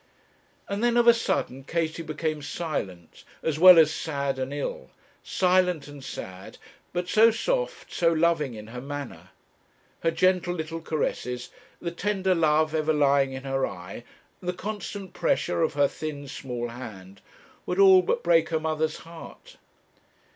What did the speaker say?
And then of a sudden Katie became silent, as well as sad and ill silent and sad, but so soft, so loving in her manner. Her gentle little caresses, the tender love ever lying in her eye, the constant pressure of her thin small hand, would all but break her mother's heart.